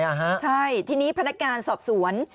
ใช่ทีนี้พนักงานสอบสวน